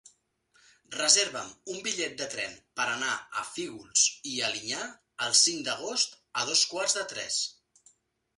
Reserva'm un bitllet de tren per anar a Fígols i Alinyà el cinc d'agost a dos quarts de tres.